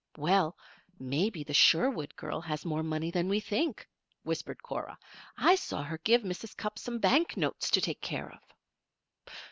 "Well, maybe the Sherwood girl has more money than we think," whispered Cora. "I saw her give Mrs. Cupp some bank notes to take care of."